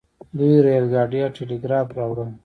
دوی ریل ګاډی او ټیلیګراف راوړل.